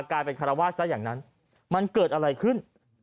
กลายเป็นคารวาสซะอย่างนั้นมันเกิดอะไรขึ้น